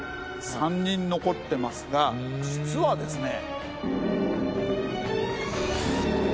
３人残ってますが実はですね。